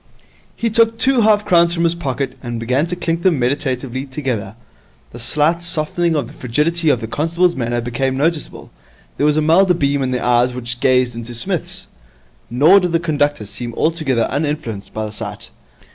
He took two half crowns from his pocket, and began to clink them meditatively together. A slight softening of the frigidity of the constable's manner became noticeable. There was a milder beam in the eyes which gazed into Psmith's. Nor did the conductor seem altogether uninfluenced by the sight.